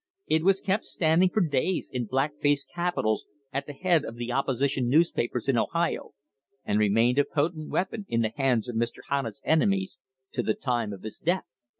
It was kept standing for days in black faced capitals at the head of the opposition newspapers in Ohio, and remained a potent weapon in the hands of Mr. Hanna's enemies to the time of his death.